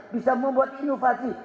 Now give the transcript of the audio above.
bisa membuat inovasi